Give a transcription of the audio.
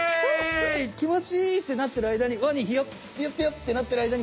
きもちいい！ってなってるあいだにワニピヨピヨってなってるあいだに。